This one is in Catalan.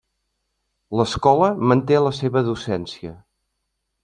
L'escola manté la seva docència.